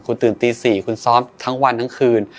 คุณตื่นตี๔คุณซ้อมทั้งวันทั้งคืน